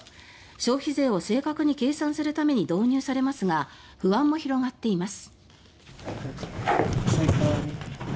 消費税を正確に計算するために導入されますが不安も広がっています。